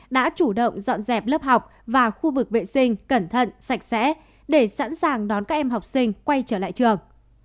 đã chủ động dọn dẹp lớp học và khu vực vệ sinh cẩn thận sạch sẽ để sẵn sàng đón các em học sinh quay trở lại trường